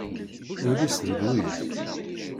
Ul-is d lwiz.